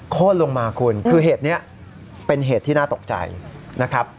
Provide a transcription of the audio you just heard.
โค้นลงมาคุณคือเหตุนี้เป็นเหตุที่น่าตกใจนะครับ